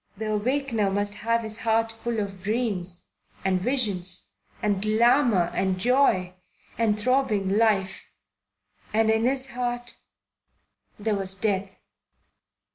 The awakener must have his heart full of dreams and visions and glamour and joy and throbbing life; and in his heart there was death.